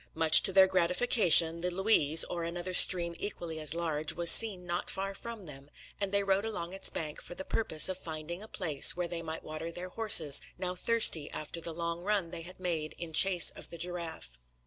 Much to their gratification, the Luize, or another stream equally as large, was seen not far from them, and they rode along its bank for the purpose of finding a place where they might water their horses, now thirsty after the long run they had made in chase of the giraffe.